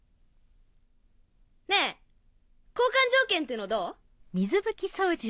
ねぇ交換条件ってのどう？